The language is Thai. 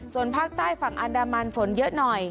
ส่วนภาคใต้ฝั่งอันดามันฝนเยอะหน่อย